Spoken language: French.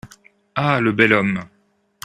Ah ! le bel homme !